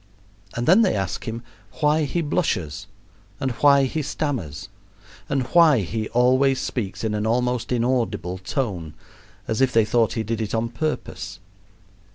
And then they ask him why he blushes, and why he stammers, and why he always speaks in an almost inaudible tone, as if they thought he did it on purpose.